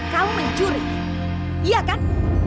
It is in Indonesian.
kamu mencuri iya kan